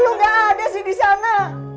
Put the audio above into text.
lu nggak ada sih di sana